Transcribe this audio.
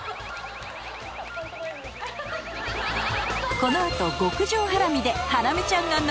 この後極上ハラミでハラミちゃんが涙